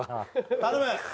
頼む！